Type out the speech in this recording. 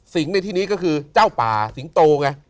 สิงศ์ในที่นี้ก็คือเจ้าป่าสิงศ์โตไง